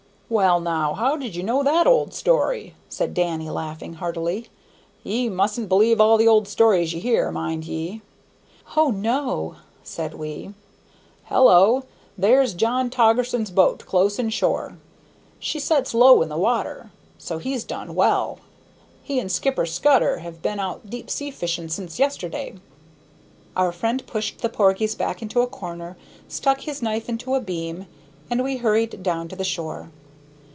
"Well, now, how did you know that old story?" said Danny, laughing heartily; "ye mustn't believe all the old stories ye hear, mind ye!" "O, no," said we. "Hullo! There's Jim Toggerson's boat close in shore. She sets low in the water, so he's done well. He and Skipper Scudder have been out deep sea fishing since yesterday." Our friend pushed the porgies back into a corner, stuck his knife into a beam, and we hurried down to the shore.